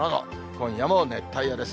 今夜も熱帯夜です。